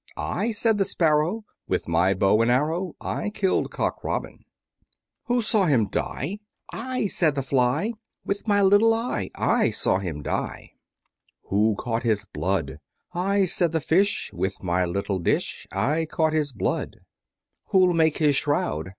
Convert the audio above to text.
I, said the Sparrow, With my bow and arrow, I kill'd Cock Robin. Who saw him die? I, said the Fly, With my little eye, I saw him die. Who caught his blood? I, said the Fish, With my little dish, I caught his blood. Who'll make his shroud?